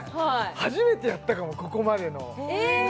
初めてやったかもここまでのえーっ！